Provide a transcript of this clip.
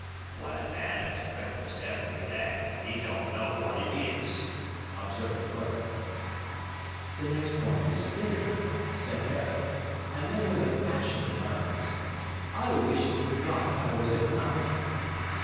'When a man 'as breakfast every day, he don't know what it is,' observed the clerk. 'The next point is dinner,' said Herrick; and then with a passionate utterance: 'I wish to God I was a Kanaka!'